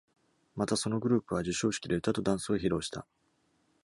また、そのグループは、授賞式で歌とダンスを披露した。